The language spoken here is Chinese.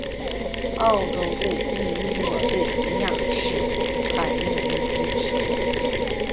澳洲队与英国队一样是采用米字旗的。